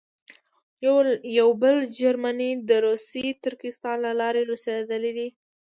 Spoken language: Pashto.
یو بل جرمنی د روسي ترکستان له لارې رسېدلی وو.